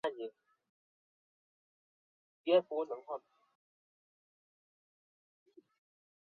孤峰山位于中国山西省万荣县东南部。